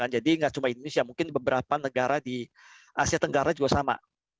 jadi gak cuma indonesia mungkin beberapa negara di asia tenggara juga sama